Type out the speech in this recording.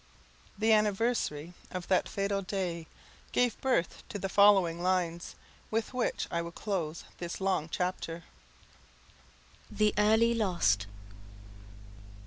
The anniversary of that fatal day gave birth to the following lines, with which I will close this long chapter: The Early Lost.